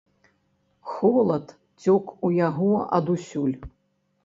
Холад цёк у яго адусюль.